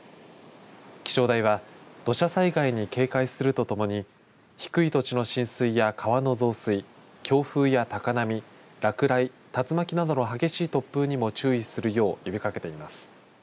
気象台は土砂災害に警戒するとともに低い土地の浸水や川の増水強風や高波、落雷竜巻などの激しい突風にも注意するよう呼びかけています。